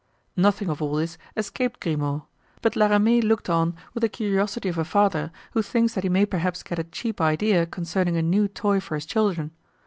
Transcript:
Nothing of all this escaped Grimaud, but La Ramee looked on with the curiosity of a father who thinks that he may perhaps get a cheap idea concerning a new toy for his children.